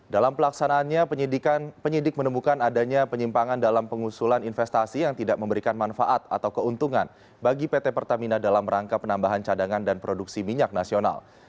dalam pelaksanaannya penyidik menemukan adanya penyimpangan dalam pengusulan investasi yang tidak memberikan manfaat atau keuntungan bagi pt pertamina dalam rangka penambahan cadangan dan produksi minyak nasional